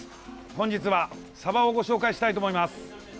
本日はサバをご紹介したいと思います。